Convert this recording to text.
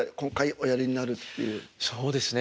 そうですね。